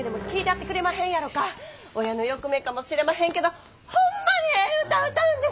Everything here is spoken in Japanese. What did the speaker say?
親の欲目かもしれまへんけどホンマにええ歌歌うんです！